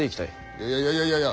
いやいやいやいやいやいや。